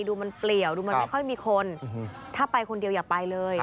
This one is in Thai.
ดูมันเปลี่ยวดูมันไม่ค่อยมีคนถ้าไปคนเดียวอย่าไปเลย